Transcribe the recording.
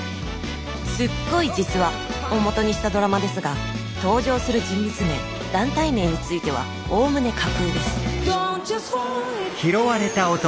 すっごい実話！をもとにしたドラマですが登場する人物名団体名についてはおおむね架空です